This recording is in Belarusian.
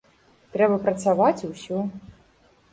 Трэба працаваць і ўсё!